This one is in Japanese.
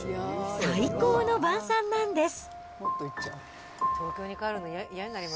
最高の晩さんなんです。